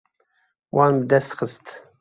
Wan bi dest xist.